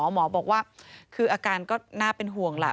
หมอบอกว่าคืออาการก็น่าเป็นห่วงล่ะ